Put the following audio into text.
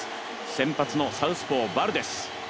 先発のサウスポー・バルデス。